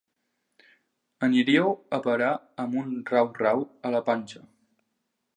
Aniríeu a parar amb un rau rau a la panxa.